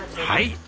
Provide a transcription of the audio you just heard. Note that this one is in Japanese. はい。